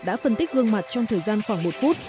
đã phân tích gương mặt trong thời gian khoảng một phút